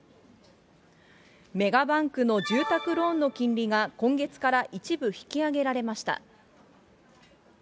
メガバンクの住宅ローンの金利が今月から一部引き上げられました。